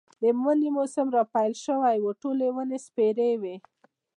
د مني موسم را پيل شوی و، ټولې ونې سپېرې وې.